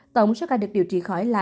tổng số ca được điều trị khỏi bệnh